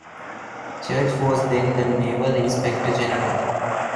Church was then the Naval Inspector General.